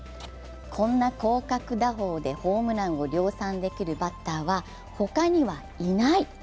こんな広角打法でホームランを量産できるバッターは他にはいない。